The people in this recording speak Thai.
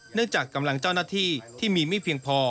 จากกำลังเจ้าหน้าที่ที่มีไม่เพียงพอ